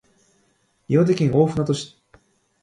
岩手県大船渡市